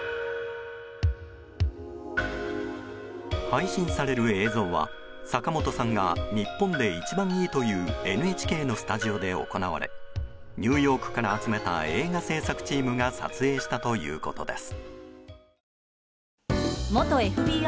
配信される映像は、坂本さんが日本で一番いいというＮＨＫのスタジオで行われニューヨークから集めた映画制作チームが撮影したということです。